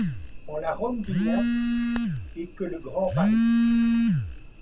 En la Rome d'Ignace, et que le grand Paris